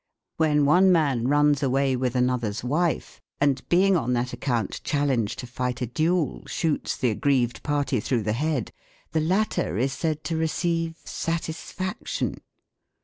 When one man runs away with another's wife, and, being on that account challenged to fight a duel, shoots the aggrieved party through the head, the latter is said to receive satisfaction.